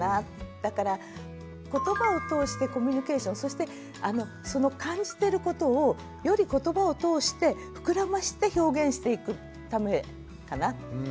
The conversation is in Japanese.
だからことばをとおしてコミュニケーションそしてその感じてることをよりことばをとおして膨らまして表現していくためかな。